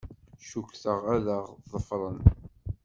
Cukkteɣ ad aɣ-ḍefren.